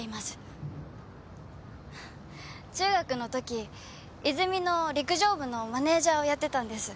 中学のとき泉の陸上部のマネジャーをやってたんです。